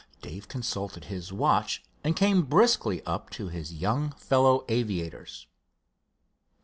Dave consulted his watch and came briskly up to his young fellow aviators.